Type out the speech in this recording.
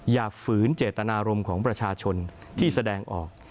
ฝืนเจตนารมณ์ของประชาชนที่แสดงออก